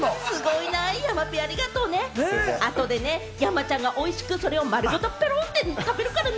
ありがとうね、後でね、山ちゃんがおいしくそれを丸ごとペロンって食べるからね！